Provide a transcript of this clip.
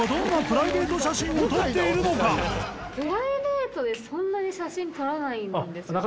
プライベートでそんなに写真撮らないんですよね。